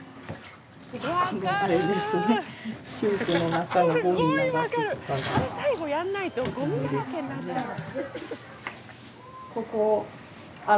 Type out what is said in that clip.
これ最後やんないとゴミだらけになっちゃうの。